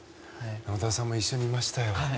織田さんも一緒に見ましたよ。